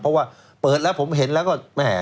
เพราะเปิดแล้วผมเห็นแล้วก็